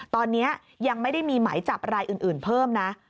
ตอนนี้ยังไม่ได้มีหมายจับรายอื่นเพิ่มนะ